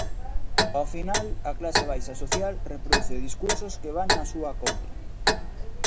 Ao final, a clase baixa social reproduce discursos que van na súa contra.